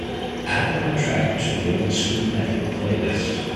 Add my track to old school metal playlist